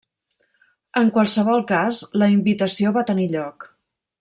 En qualsevol cas, la invitació va tenir lloc.